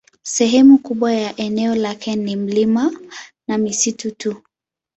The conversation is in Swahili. Sehemu kubwa ya eneo lake ni milima na misitu tu.